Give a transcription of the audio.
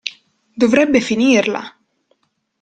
Dovrebbe finirla!